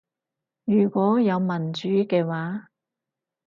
如果有民主嘅話